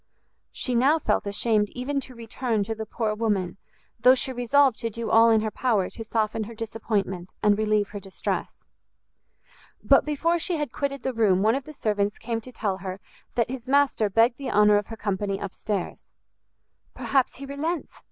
She now felt ashamed even to return to the poor woman, though she resolved to do all in her power to soften her disappointment and relieve her distress. But before she had quitted the room one of the servants came to tell her that his master begged the honor of her company up stairs. "Perhaps he relents!"